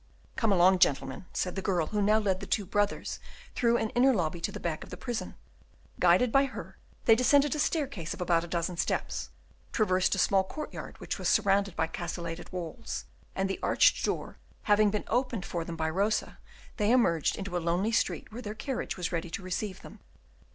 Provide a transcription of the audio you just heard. "Come along, gentlemen," said the girl, who now led the two brothers through an inner lobby to the back of the prison. Guided by her, they descended a staircase of about a dozen steps; traversed a small courtyard, which was surrounded by castellated walls; and, the arched door having been opened for them by Rosa, they emerged into a lonely street where their carriage was ready to receive them.